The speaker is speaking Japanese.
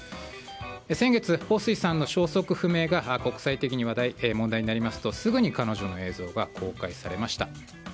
先月、ホウ・スイさんの消息不明が国際的に問題になりますと、すぐに彼女の映像が公開されました。